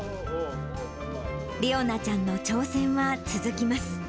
理央奈ちゃんの挑戦は続きます。